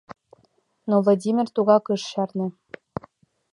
Но Владимир тугак ыш чарне.